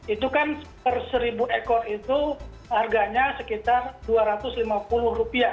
itu kan per seribu ekor itu harganya sekitar rp dua ratus lima puluh